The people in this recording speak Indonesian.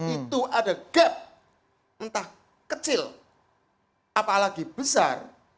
itu ada gap entah kecil apalagi besar